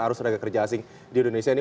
arus tenaga kerja asing di indonesia ini